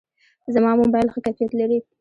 زما موبایل ښه کیفیت لري.